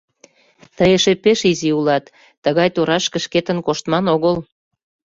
— Тый эше пеш изи улат, тыгай торашке шкетын коштман огыл.